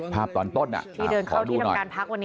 ภาพตอนต้นน่ะขอดูหน่อย